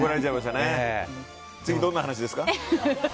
次、どんな話ですか？